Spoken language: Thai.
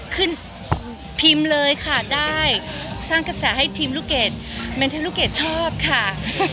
ขอบคุณนะคะสวัสดีค่ะ